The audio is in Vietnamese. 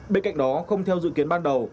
bên cạnh đó không theo dự kiến ban đầu